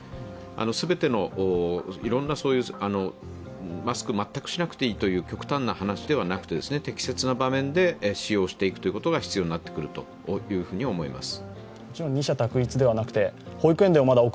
全てのいろんな、マスクを全くしなくていいという極端な話ではなくて、適切な場面で使用していくことが必要になってくると思います。